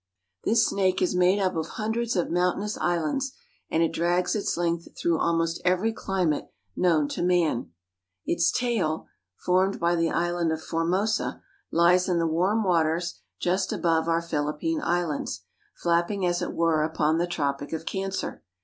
This snake is made up of hundreds of mountainous islands, and it drags its length through almost every climate known to man. Its tail, formed by the island of Formosa, lies in the warm waters just above our Philippine Islands, flapping as it were upon the Tropic of Cancer.